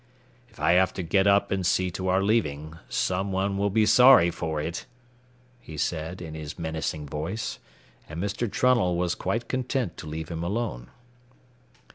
"If I have to get up and see to our leaving, some one will be sorry for it," he said, in his menacing voice, and Mr. Trunnell was quite content to leave him alone.